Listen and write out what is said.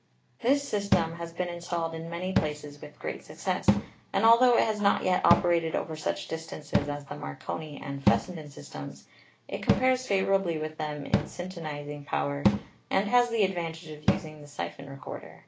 This system has been installed in many places with great success, and altho it has not yet operated over such distances as the Marconi and Fessenden systems, it com pares favorably with them in syntonizing power, and has the advantage of using the siphon recorder.